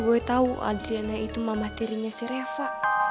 kayaknya dia udah kemana mana